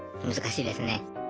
難しいですね。